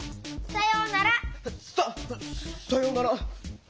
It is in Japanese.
さようなら。